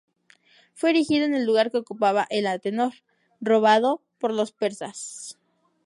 Fue erigido en el lugar que ocupaba el de Antenor, robado por los persas.